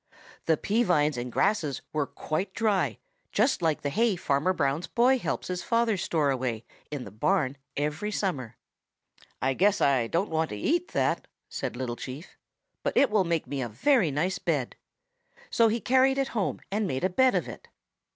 The pea vines and grasses were quite dry, just like the hay Farmer Brown's boy helps his father store away in the barn every summer. "'I guess I don't want to eat that,' said Little Chief, 'but it will make me a very nice bed.' So he carried it home and made a bed of it.